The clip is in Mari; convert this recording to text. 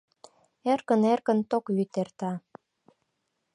Эркын-эркын ток вӱд эрта.